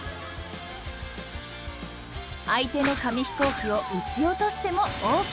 相手の紙飛行機を打ち落としてもＯＫ。